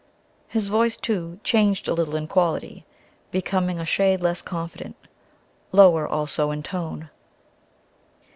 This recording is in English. His voice, too, changed a little in quality, becoming a shade less confident, lower also in tone.